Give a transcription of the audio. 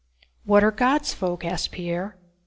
"What are 'God's folk'?" asked Pierre.